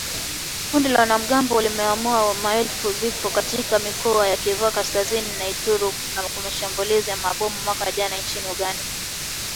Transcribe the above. Kundi la wanamgambo limelaumiwa kwa maelfu ya vifo katika mikoa ya Kivu Kaskazini na Ituri, na kwa mashambulizi ya mabomu mwaka jana nchini Uganda